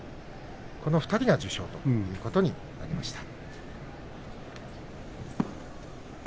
この２人が受賞ということになりました。